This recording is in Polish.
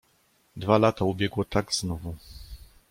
"Dwa lata ubiegło tak znowu."